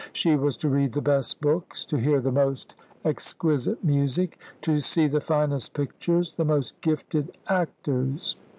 She was to read the best books, to hear the most exquisite music, to see the finest pictures, the most gifted actors.